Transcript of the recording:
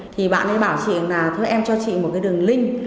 thì bạn ấy bảo chị là thôi em cho chị một cái đường linh